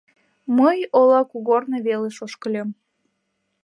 Мый ола кугорно велыш ошкыльым.